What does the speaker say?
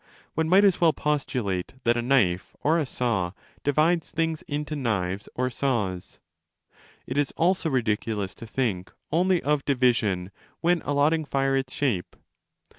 One might as well 30 postulate that a knife or a saw divides things into knives or saws. It is also ridiculous to think only of division when allotting fire its shape.